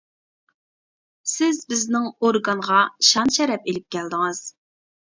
سىز بىزنىڭ ئورگانغا شان-شەرەپ ئېلىپ كەلدىڭىز.